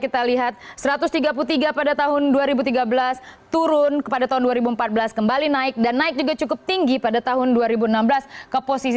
kita lihat satu ratus tiga puluh tiga pada tahun dua ribu tiga belas turun kepada tahun dua ribu empat belas kembali naik dan naik juga cukup tinggi pada tahun dua ribu enam belas ke posisi satu